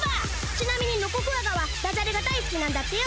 ちなみにノコクワガはダジャレが大好きなんだってよ！